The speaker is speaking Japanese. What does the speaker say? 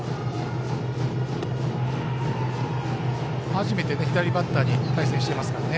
初めて左バッターと対戦してますからね。